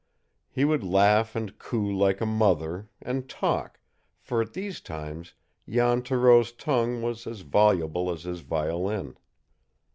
He would laugh and coo like a mother, and talk, for at these times Jan Thoreau's tongue was as voluble as his violin.